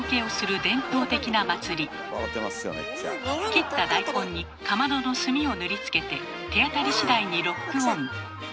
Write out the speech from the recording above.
切った大根にかまどの炭を塗りつけて手当たり次第にロックオン。